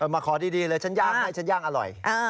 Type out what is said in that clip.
มาขอดีเลยฉันย่างให้ฉันย่างอร่อย